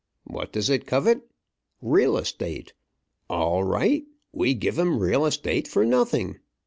What does it covet? Real estate! All right, we give 'em real estate for nothing!